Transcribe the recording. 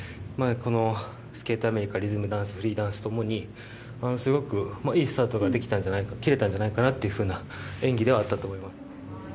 このスケートアメリカリズムダンスフリーダンスともにすごくいいスタートができたんじゃないか切れたんじゃないかなっていう風な演技ではあったと思います。